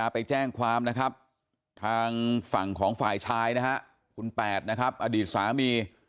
ไปแจ้งความนะครับทางฝั่งของฝ่ายชายนะฮะคุณแปดนะครับอดีตสามี